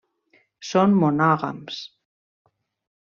Són monògams.